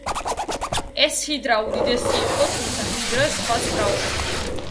ეს ჰიდრა უდიდესი იყო, თუმცა, ჰიდრა სხვაც მრავალია.